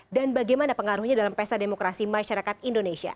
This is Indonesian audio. dan bagaimana pengaruhnya dalam pesta demokrasi masyarakat indonesia